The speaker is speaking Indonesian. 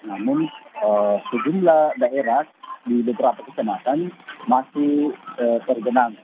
namun sejumlah daerah di beberapa kecamatan masih tergenang